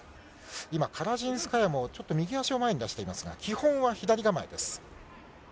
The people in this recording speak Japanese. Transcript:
今、カラジンスカヤもちょっと右足を前に出していますが、基本は左構えです。